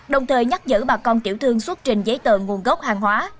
đồng thời nhắc dỡ bà con tiểu thương xuất trình giấy tờ nguồn gốc hàng hóa